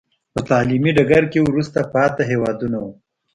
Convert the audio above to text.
په تعلیمي ډګر کې وروسته پاتې هېوادونه وو.